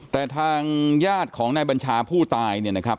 แต่ทางญาติของนายบัญชาผู้ตายเนี่ยนะครับ